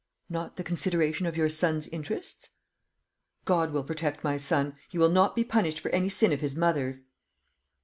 "Not the consideration of your son's interests?" "God will protect my son; he will not be punished for any sin of his mother's."